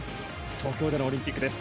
東京でのオリンピックです。